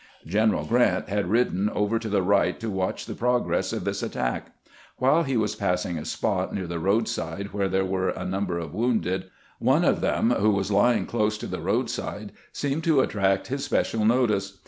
General Grant had ridden over to the right to watch the progress of this attack. While he was passing a spot near the roadside where there were a number of wounded, one of them, who was lying close to the road side, seemed to attract his special notice.